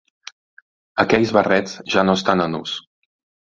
Aquells barrets ja no estan en ús.